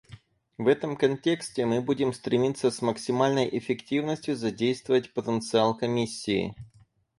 В этом контексте мы будем стремиться с максимальной эффективностью задействовать потенциал Комиссии.